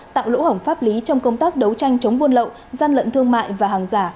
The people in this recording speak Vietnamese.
tạo lỗ hổng pháp lý trong công tác đấu tranh chống buôn lậu gian lận thương mại và hàng giả